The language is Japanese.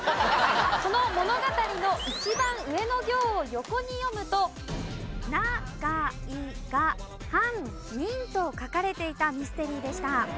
この物語の一番上の行を横に読むと「ながいが犯人」と書かれていたミステリーでした。